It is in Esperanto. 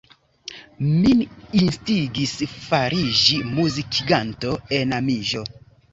Min instigis fariĝi muzikiganto enamiĝo.